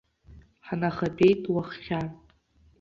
Ҳнахатәеит уаххьа.